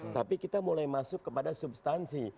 tapi kita mulai masuk kepada substansi